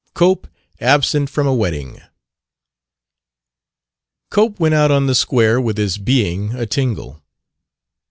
28 COPE ABSENT FROM A WEDDING Cope went out on the square with his being a tingle.